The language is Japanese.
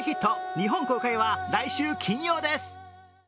日本公開は来週金曜です。